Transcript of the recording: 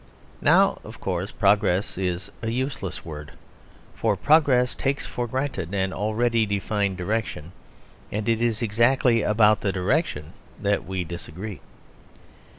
Now, of course, "progress" is a useless word; for progress takes for granted an already defined direction; and it is exactly about the direction that we disagree.